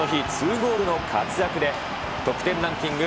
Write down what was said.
ゴールの活躍で得点ランキング